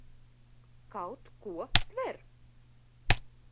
Kaut ko tver?